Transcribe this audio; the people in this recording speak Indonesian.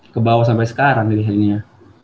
ke bawah sampe sekarang jadi harinya